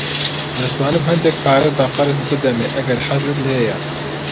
دەتوانم هەندێک پارەت بە قەرز بدەمێ ئەگەر حەزت لێیە.